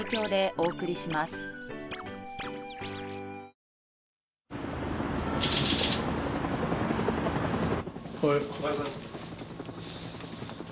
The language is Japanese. おはようございます。